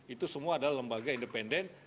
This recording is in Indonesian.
itu semua adalah lembaga independen